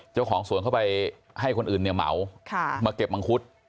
เจ้าของสวนเข้าไปให้คนอื่นเนี่ยเหมามาเก็บมังคุด